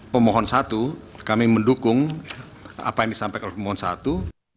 pemohon satu kami mendukung apa yang disampaikan pemohon satu